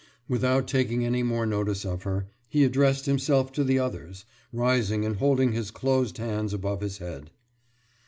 « Without taking any more notice of her, he addressed himself to the others, rising and holding his closed hands above his head.